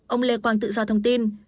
ông lê quang tự do thông tin